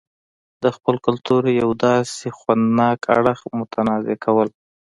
دخپل کلتور يو داسې خوند ناک اړخ متنازعه کول